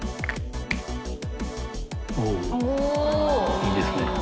いいですね。